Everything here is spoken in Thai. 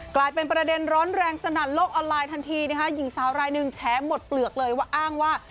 กลายเป็นประเด็นร้อนแรงสนั่นโลกออนไลน์ทันทีนะคะหญิงสาวรายหนึ่งแฉหมดเปลือกเลยว่าอ้างว่า